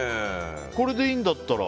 これでいいんだったら。